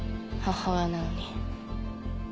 母親なのに。